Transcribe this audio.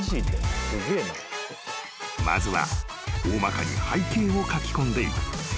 ［まずは大まかに背景を描きこんでいく］